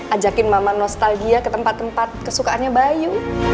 ajakin mama nostalgia ke tempat tempat kesukaannya bayu